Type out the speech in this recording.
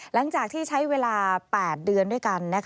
หลังจากที่ใช้เวลา๘เดือนด้วยกัน